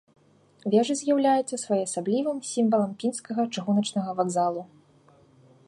Вежа з'яўляецца своеасаблівым сімвалам пінскага чыгуначнага вакзалу.